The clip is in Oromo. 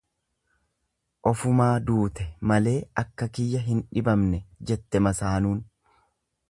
Ofumaa duute malee akka kiyya hin dhibamne jette masaanuun.